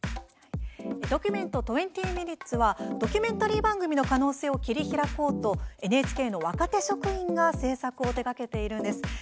「ドキュメント２０ｍｉｎ．」はドキュメンタリー番組の可能性を切り開こうとＮＨＫの若手職員が制作を手がけているんです。